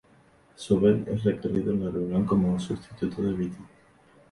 Sobel es requerido en la reunión como sustituto de Vitti.